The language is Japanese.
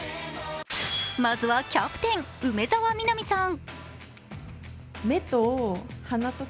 まずはキャプテン・梅澤美波さん。